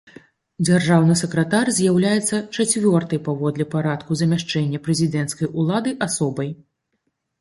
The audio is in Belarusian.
Дзяржаўны сакратар з'яўляецца чацвёртай паводле парадку замяшчэння прэзідэнцкай улады асобай.